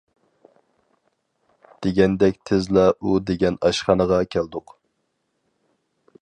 دېگەندەك تېزلا ئۇ دېگەن ئاشخانىغا كەلدۇق.